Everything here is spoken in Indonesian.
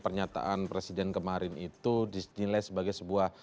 pernyataan presiden kemarin itu di nilai sebagai sebuah